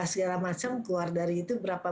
segala macam keluar dari itu berapa